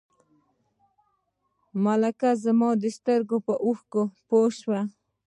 ملکه زما د سترګو په اوښکو پوه شوه.